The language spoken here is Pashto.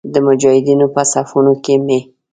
د مجاهدینو په صفونو کې مې.